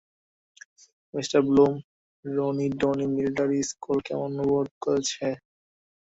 Mr Bloom, Ronnie Donnie military school কেমন উপভোগ করছে?